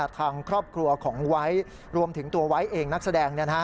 ทางครอบครัวของไวท์รวมถึงตัวไว้เองนักแสดง